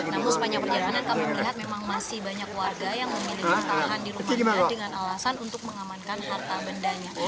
namun sepanjang perjalanan kami melihat memang masih banyak warga yang memilih bertahan di rumahnya dengan alasan untuk mengamankan harta bendanya